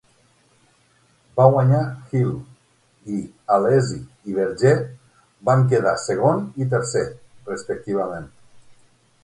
Va guanyar Hill i Alesi i Berger van quedar segon i tercer, respectivament.